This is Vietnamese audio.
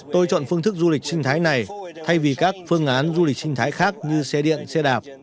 tôi chọn phương thức du lịch sinh thái này thay vì các phương án du lịch sinh thái khác như xe điện xe đạp